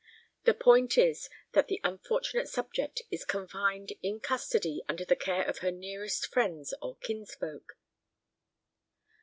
The point is—that the unfortunate subject is confined in custody under the care of her nearest friends or kinsfolk."